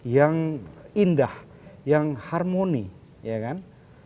yang indah yang harmoni ya kan